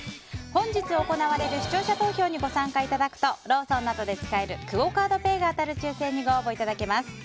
本日行われる視聴者投票にご参加いただくとローソンなどで使えるクオ・カードペイが当たる抽選にご応募いただけます。